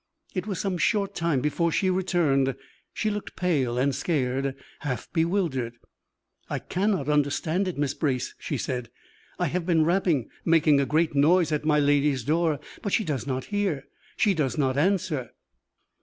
It was some short time before she returned; she looked pale and scared, half bewildered. "I cannot understand it, Miss Brace," she said. "I have been rapping, making a great noise at my lady's door, but she does not hear, she does not answer!"